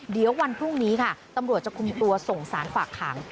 เดี๋ยววันพรุ่งนี้ค่ะตำรวจจะคุมตัวส่งสารฝากขัง